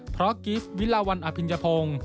เพราะกิฟต์วิลาวันอพิญญาโพง